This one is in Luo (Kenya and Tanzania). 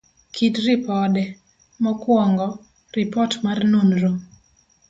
kit ripode. mokuongo, Ripot mar nonro